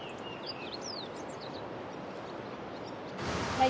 はい。